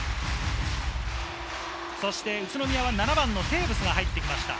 そして宇都宮は７番のテーブスが入ってきました。